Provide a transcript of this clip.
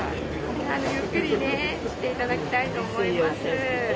ゆっくりね、していただきたいと思います。